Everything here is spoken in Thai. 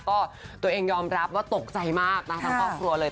ก็ตัวเองยอมรับว่าตกใจมากนะทั้งครอบครัวเลย